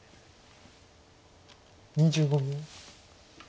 ２５秒。